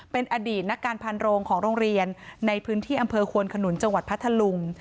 เป็นอดีตนักการพันโรงของโรงเรียนในพื้นที่อำเภอควนขนุนจังหวัดพัทธลุง